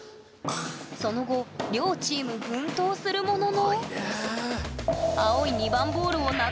その後両チーム奮闘するもののあっ！